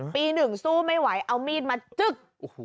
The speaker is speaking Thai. ปี๑สู้ไม่ไหวเอามีดมาจึก